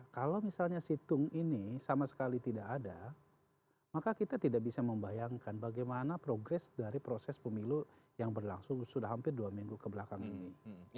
kalau misalnya situng ini sama sekali tidak ada maka kita tidak bisa membayangkan bagaimana progres dari proses pemilu yang berlangsung sudah hampir dua minggu kebelakang ini